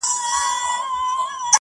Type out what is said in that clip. • چي شاعر د څرګند پیغام له ورکولو څخه -